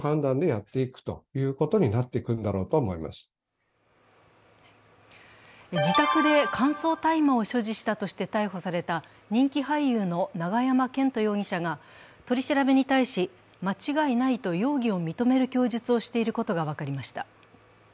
街の人は専門家は自宅で乾燥大麻を所持したとして逮捕された人気俳優の永山絢斗容疑者が取り調べに対し、間違いないと容疑を認める供述をしていることが分かりました。